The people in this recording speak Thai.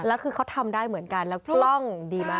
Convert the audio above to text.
แล้วคือเขาทำได้เหมือนกันแล้วกล้องดีมาก